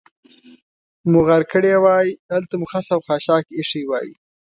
مو غار کړې وای، هلته مو خس او خاشاک اېښي وای.